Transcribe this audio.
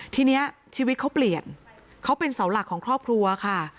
ทีนี้ชีวิตเขาเปลี่ยนเขาเป็นเสาหลักของครอบครัวค่ะ